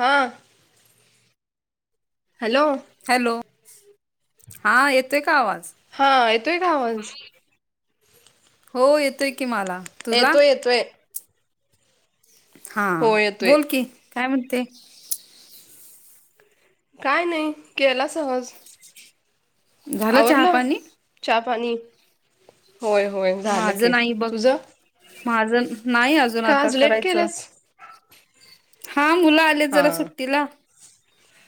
हां hello hello हा येतेय का आवाज हा येतोय काावांच हो येतोय की मला तुला येतोय येतोय. हा हो येतोय बोल की काय म्हणते काय नाही केला सहज झालं चहा आवरलं पाणी चहा पाणी होय होय झालं माझं की नाही बघ तुझ माझं नाही अजून आता लेट करायचं. केलंस हा मुलं आलेत हा जरा सुट्टीला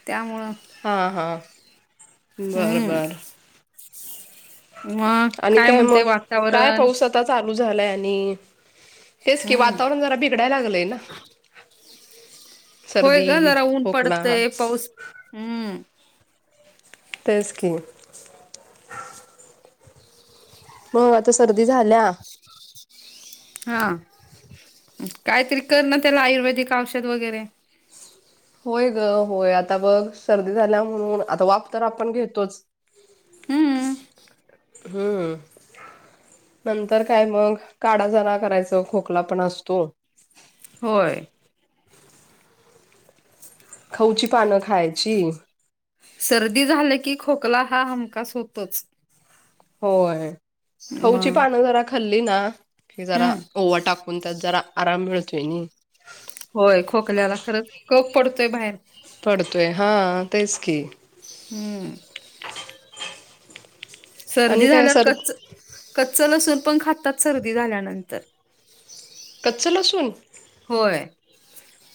त्यामुळं हा हा बर बर हम्म मग आणि काय म्हणते मग काय वातावरण पाऊस आता चालू झालंय आणि तेच की हम्म वातावरण जरा बिघडाय लागलंय ना होय ग सर्दी जरा ऊन खोकला पडतय पाऊस हम्म तेच की मग आता सर्दी झाल्या हा काहीतरी कर ना त्याला आयुर्वेदिक औषध वगैरे होय ग होय आता बघ सर्दी झाल्या म्हणून आता वाफ तर आपण घेतोच हम्म हम्म. नंतर काय मग काडा जरा करायच खोकला पण असतो. होय. खऊची पानं खायची. सर्दी झालं की खोकला हा हमखास होतोच. होय खऊची मग पानं जरा खाल्ली ना. कि जरा हम्म ओवा टाकून त्यात जरा आराम मिळतोय नाही होय खोकल्याला खरंच कप पडतोय बाहेर पडतोय हा तेच की हम्म. सर्दी आणि काय झाल्यावर सर कच्च कच्च लसूण पण खातात सर्दी झाल्यानंतर क्चच लसुन. होय.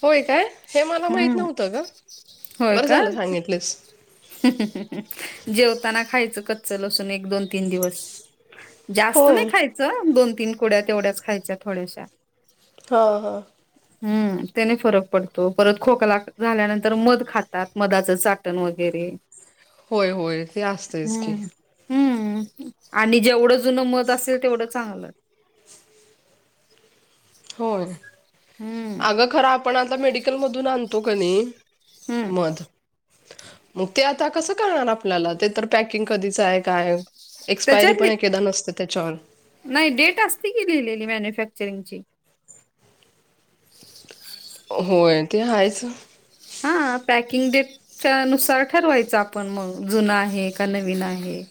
होय काय हे मला माहीत हम्म नव्हतं ग होय बरं का झालं सांगितलीस जेवताना खायचं कच्चल असून एक दोन तीन दिवस जास्त होय नाही खायचं दोन तीन कुड्या तेवढ्याच खायच्या थोड्याश्या ह ह. हम्म त्याने फरक पडतो परत खोकला झाल्यानंतर मध खातात मधाच चाक चाटन वगैरे होय होय ते असतंच की हम्म हम्म आणि जेवढं जुनं मध असेल तेवढं चांगलं. होय हम्म अगं खरं आपण आता मेडिकल मधून आणतो का नाही. हम्म मध. मग ते आता कस कळणार आपल्याला ते तर पॅकिंग कधीच आहे काय हाय एक्सपायरी त्याच्यातली पण एक एकदा नसते त्याच्यावर नाही डेट असती की लिहिलेली मॅन्युफॅक्चरिंग ची होय ते आहेच हा पॅकिंग डेट च्या नुसार ठरवायचं आपण मग जुन आहे का नवीन आहे.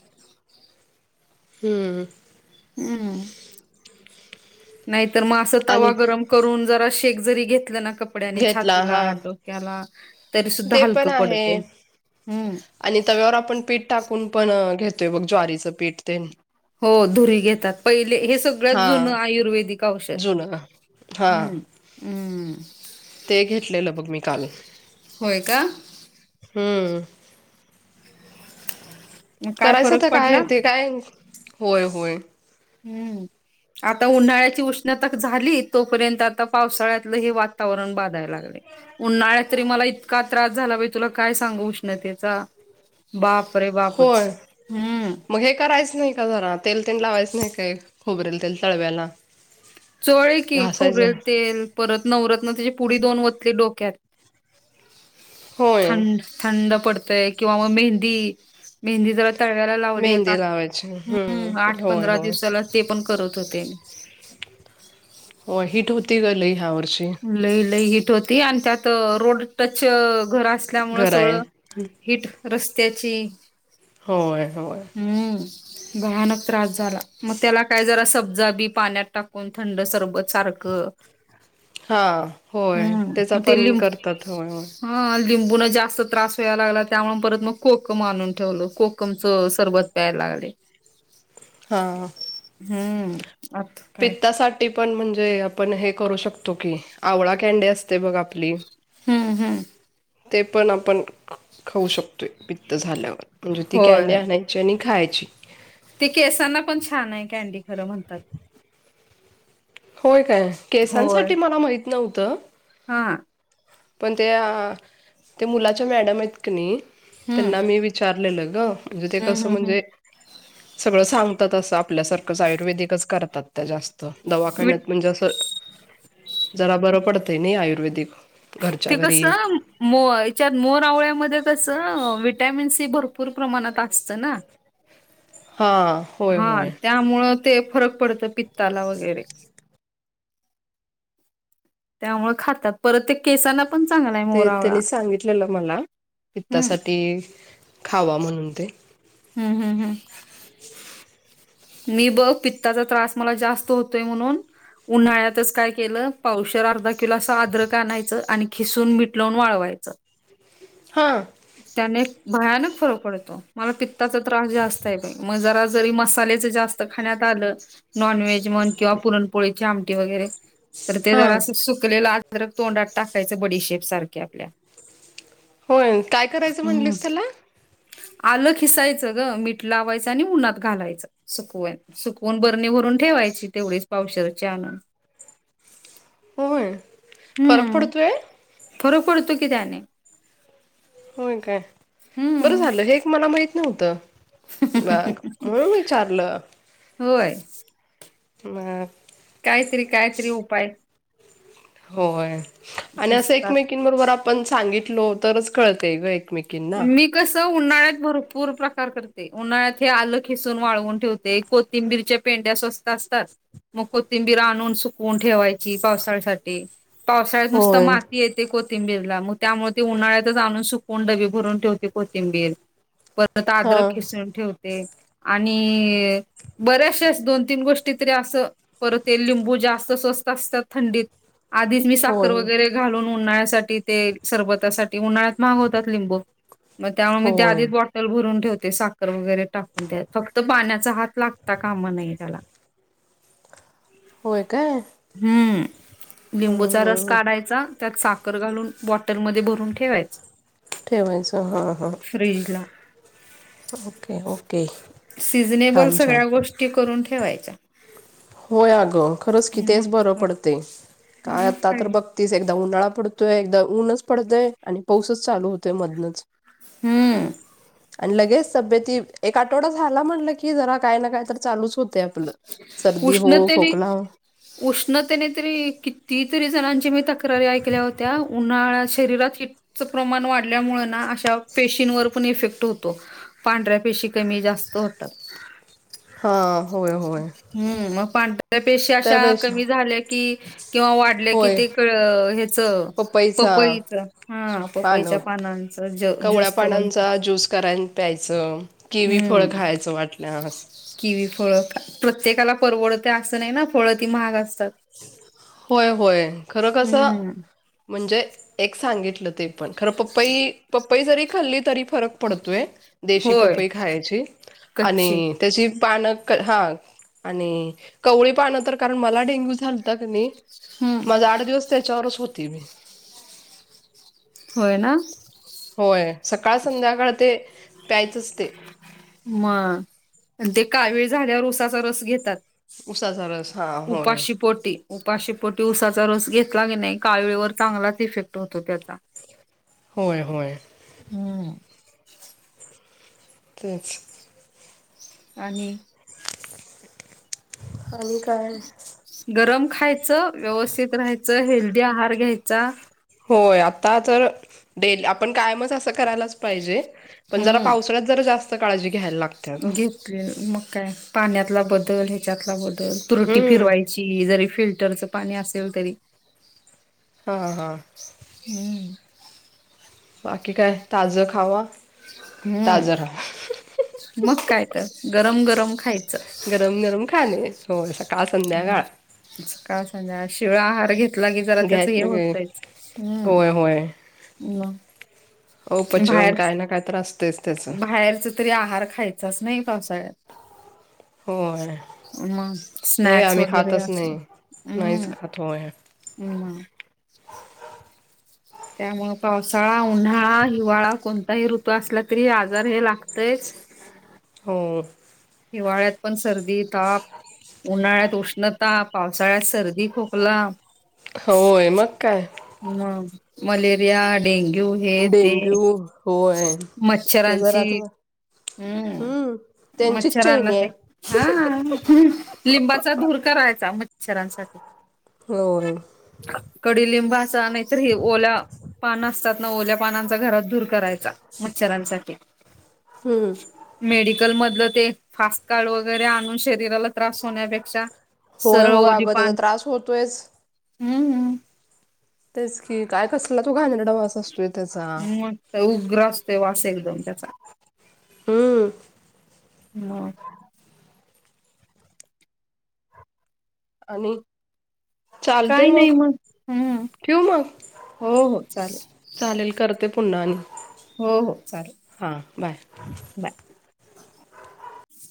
हम्म. हम्म नाहीतर मग असं आणि तवा गरम करून जरा शेक जरी घेतलं ना कप कपड्याने घेतला छातीला हा डोक्याला तरी सुुद्धा ते पण हलकं आहे पडतं हम्म आणि तव्यावर आपण पीठ टाकून पण घेतोय बघ ज्वारीचं पीठ तेन हो धुरी घेतात पहिले हे सगळ्यात जुनं हा आयुर्वेदिक औषध जुनं हा हम्म् ते घेतलेलं बघ मी काल. होय का? हम्म. मग काय करायचं फरक तर काय पडला ते काय? होय होय. हम्म. आता उन्हाळ्याची उष्णता झाली. तोपर्यंत आता पावसाळ्यातलं हे वातावरण बाधायला लागलय. उन्हाळ्यात तरी मला इतका त्रास झाला बाई. तुला काय सांगू उष्णतेचा. बापरे बाप! बापच होय. हम्म मग हे करायचं नाही का घरात? तेल तेन लावायच नाही काय? खोबरेल तेल तळव्याला. चोळलंय की घासायचं खोबरेल तेल. परत नवरत्न त्याची पुडी दोन ओतली डोक्यात. होय थंड, थंड पडतय किंवा मग मेहंदी. मेहंदी जरा- तळव्याला लावली. एक मेहंदी आठ, लावायची हम्म. आठ होय पंधरा होय दिवसाला ते पण करत होते मी. हो. हीट होती ग लई ह्या वर्षी. लई लई हिट होती. आणि त्यात रोड टच घर असल्यामुंळ घर आहे सगळं - हिट रस्त्याची. होय होय. हम्म. भयानक त्रास झाला. मग त्याला काय जरा सब्जा बी पाण्यात टाकून थंड सरबत सारखं- हा. होय. हम्म त्याचा मग ते पण लिंब करतात होय हो. हा. लिंबून जास्त त्रास व्हायला लागला. त्यामुळे परत मग कोकम आणून ठेवलं. कोकमचं सरबत- प्यायला लागले. हां. हम्म अ- पित्तासाठी पण म्हणजे, आपण हे करू शकतो की? आवळा कॅन्डी असते बघ आपली. हम् हम्. ते पण आपण खाऊ शकतोय. पित्त झाल्यावर म्हणजे ती कॅन्डी होय आहे ना - त्या आणि खायची. ते केसांना पण छान आहे. कॅण्डी खरं म्हणतात. होय काय? होय केसांसाठी मला माहीत नव्हतं. हा. पण त्या, ते मुलाच्या मॅडम आहेत की नाही- हम्म त्यांना मी विचारलेलं ग! म्हणजे ते हम्म कसं हम्म म्हणजे- सगळं सांगतात असं आपल्यासारखंच आयुर्वेदिकच करतात त्या जास्त. दवा- हम्म म्हणजे असं जरा बरं पडतंय नाही आयुर्वेदिक? ते घरच्या कस? घरी मो याच्यात मोर आवळ्यामध्ये कसं विटॅमिन सी भरपूर प्रमाणात असतं ना? हो. हा. त्यामुळं ते फरक पडतो. पित्ताला वगैरे. त्यामुळे खातात. परत ते केसांना- पण चांगला आहे. मोर ते आवळा. त्यांनी सांगितलेलं मला. हम्म पित्तासाठी खावा म्हणून ते. हम्म हम् हम्. मी बघ पित्ताचा त्रास मला जास्त होतोय म्हणून- उन्हाळ्यातच काय केलं? पावशेर, अर्धा किलो असं आद्रक आणायचं आणि खिसून मीठ लावून वाळवायचं. हा. त्याने भयानक फरक पडतो. मला पित्ताचा त्रास जास्त आहे बाई. म जरा जरी मसाले - जास्त खाण्यात आल. नॉन व्हेज म्हण किंवा पुरणपोळीची आमटी वगैरे- तर ते जरा हां असं सुकलेलं अदरक तोंडात टाकायचं. बडीशेप सारखे आपल्या. होय, काय करायचं हम्म म्हटलीस त्याला? आलं खिसायचं ग, मीठ लावायचं आणि उन्हात घालायचं. [unintelligible] सुकवून बरणी भरून ठेवायची तेवढीच पावशरच्या होय, फरक हम्म पडतोय? फरक पडतो की त्याने होय काय, बरं हम्म झालं हे एक मला माहित नव्हतं. बग, म्हणून विचारलं होय. मग कायतरी-कायतरी उपाय होय, आणि असं सुचतात एकमेकीबरोबर आपण सांगितलो, तरच कळतेय ग एकमेकी मी कस उन्हाळ्यात भरपूर प्रकार करते, उन्हाळ्यात हे आलं खिसून वाळवून ठेवत ते, कोथिंबीरच्या पेंड्या स्वस्त असतात. मग कोथिंबीर आणून सुकवून ठेवायची, पावसाळ्यासाठी पावसाळ्यात नुसत होय माती येते कोथिंबीरला, मग त्यामुळे ते उन्हाळ्यातच आणून सुकवून डबी भरून ठेवते कोथिंबीर, परत हा आद्रक खिसून ठेवते. ते, आणि बऱ्याचशाच दोन तीन गोष्टी तरी असं, परत ते लिंबू जास्त स्वस्त असतात थंडीत. आधीच मी साखर होय वगैरे घालून उन्हाळ्यासाठी ते, सरबतासाठी उन्हाळ्यात महाग होतात लिंबू. मग त्यामुळे मी त्या आधी होय भुरून ठेवते, साखर वगैरे टाकून त्यात, फक्त पाण्याचा हात लागता काम नाये त्याला. होय काय? हम्म! लिंबूचा रस काढायचा, त्यात साखर घालून बॉटलमध्ये भरून ठेवायच. ठेवायचं, हां. हां. फ्रीजला ओके, ओके सिजनेबल छान छान सगळ्या गोष्टी करून ठेवायच्या होय अगं, खरंच कि मग तेच बरं पडतय, काय आता तर बघ तीस एकदा उन्हाळा पडतोय, एकदा ऊनच पडतय, आणि पाऊसच चालू होतोय मधनच हम्म! आणि लगेच तब्येत, एक आठवडा झाला, म्हणलं की, जरा काय ना काय तर चालूच होते आपलं. सर्दी हो उष्णतेने खोकला हो. उष्णतेने तरी, किती तरी जणांची मी तक्रारी ऐकल्या होत्या, उन्हाळ्या शरीरात हिट प्रमाण वाढल्यामुळें ना, अशा पेशींवर पण इफेक्ट होतो पांढऱ्या पेशी कमी जास्त होतात. हा. होय, होय. हम्म! मग पांढऱ्या पेशा अशा त्यापेक्षा कमी झाल्या की, किंवा वा वाढल्या की, होय ते ह्याच पपईचा पपईच, हा पानं पपईच्या पानांचा कवळ्या पानांचा ज्यूस करान प्यायचं, किवी फळ हम्म खायचं वाटल्यास किवी फळं, प्रत्येकाला परवडते असं नाही ना फळं ती महाग असतात. होय, होय. खर कस हम्म म्हणजे एक सांगितलं. ते पण खरं पपई, पपई जरी खाल्ली तरी फरक पडतोय. देशी होय पपई खायचे कच्ची आणि त्याची पानं, हा आणि कवळी पान तर कारण मला डेंग्यू झालता क नाही, माझा आठ दिवस त्याच्यावरच होती मी होय ना! होय, सकाळ संध्याकाळ ते प्यायचच ते मग आणि ते कावीळ झाल्यावर उसाचा रस घेतात उसाचा रस हां होय. उपाशी पोटी उपाचशे पटी उऊसाचा रस घेतला की नाही काळळीवर चांगलाच इफेक्ट होतो त्याचा होय होय हम्म तेच आणि आणि काय गरम खायचं व्यवस्थित राहायचं हेल्दी आहार घ्यायचा. होय आता तर डेल आपण कायमच असं करायला. जे पण जरा हम्म पावसाळ्यात ज जास्त काळजी घ्यायला लागते. का घेतले मग काय पाण्यातला बदल ह्याच्यातला बदल तुरुटी फिरवायची जरी फिल्टरच पाणी असेल. तरी हा ह हां हम् बाकी काय ताजं खावा ताजं हम्म राहा मग काय तर गरम गरम खायचं. गरम गरम खाणे हो सकाळ हम्म संध्याकाळ सकाळ संध्या शिवाय आहार घेतला. की जरा त्याच हे होतयच हो होय ह हो पचन काय ना काय तर त्याचं. बाहेरच तरी आहार खायचाच नाही. पावसाळ्यात होय. ह नाही बाई, स्नॅक्स आम्ही वगैरे खातच असलं नाही नाहीच हम् खात होय. ह म त्यामु पावसाळा उन्हाळा हिवाळा कोणताही ऋतू असला तरी आजार हे लागतच. हो हिवाळ्यात पण सर्दी ताप उन्हाळ्यात उष्णता पावसाळ्यात सर्दी खोकला होय मग काय! हम मलेरिया डेंग्यू हे ते डेंग्यू होय. हे मच्छरांची जरा हम्म त्यांचीच चैनी मच्छरनाते आहे. हा लिंबाचा धूर करायचा मच्छरांसाठी होर कडी लिंबा अस नाहीतर ह ओला पान असतात ना ओल्या पानांचा घरात दूर करायचा मच्छरांसाठी हम्म मेडिकल मधलं ते फास्ट कार्ड वगैरे आणून शरीराला त्रास होण्यापेक्षा होय सरळ होय ओढ अगं त्याचा पान त्रास होतोयच हम्म तेच की काय कसलंला तू घाण्या डवा असतो [unintelligible] [inaudible] मस्त उग्र असतोय वास एकदम त्याचा हम्म ह [inaudible] आणि चालते काही नाही मग हम्म ठेऊ मग हो हो चालेल चालेल करत ते पुन्हा हो हो चालेल हा बाय बाय